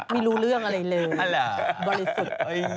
มีรู้เรื่องอะไรเลยบริศึก